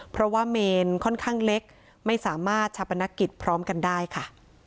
เพราะว่าเมนค่อนข้างเล็กไม่สามารถชาปนกิจพร้อมกันได้ค่ะ